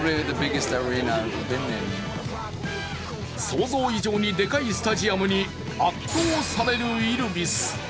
想像以上にデカいスタジアムに圧倒されるＹｌｖｉｓ。